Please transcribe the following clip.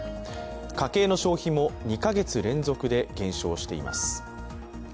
家計の消費も２か月連続で減少しています。